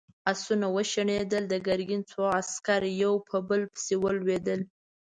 آسونه وشڼېدل، د ګرګين څو عسکر يو په بل پسې ولوېدل.